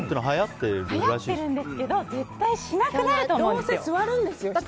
はやってるんですけど絶対しなくなると思うんですよ。